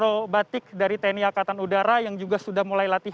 dan juga ada tim jupiter aerobatic dari teni akatan udara yang juga sudah mulai latihan